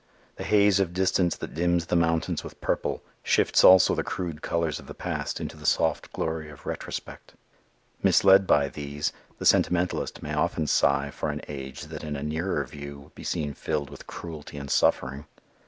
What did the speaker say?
The haze of distance that dims the mountains with purple, shifts also the crude colors of the past into the soft glory of retrospect. Misled by these, the sentimentalist may often sigh for an age that in a nearer view would be seen filled with cruelty and suffering.